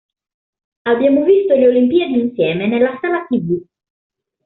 Abbiamo visto le Olimpiadi insieme nella sala TV.